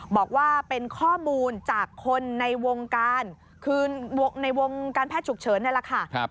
บอกว่าเป็นข้อมูลจากคนในวงการคือในวงการแพทย์ฉุกเฉินนี่แหละค่ะ